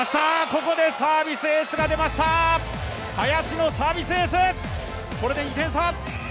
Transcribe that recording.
ここでサービスエースが出ました、林のサービスエース！